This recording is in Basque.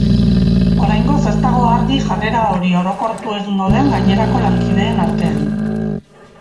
Oraingoz ez dago argi jarrera hori orokortu egingo den gainerako lankideen artean.